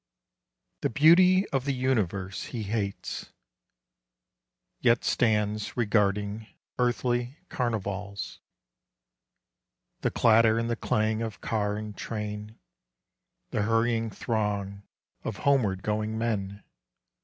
The beauty of the universe he hates, Yet stands regarding earthly carnivals :— The clatter and the clang of car and train The hurrying throng of homeward going men.